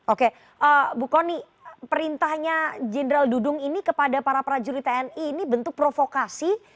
oke bu kony perintahnya jenderal dudung ini kepada para prajurit tni ini bentuk provokasi